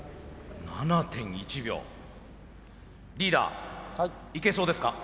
リーダーいけそうですか？